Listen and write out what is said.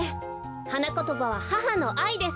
はなことばは「母のあい」です。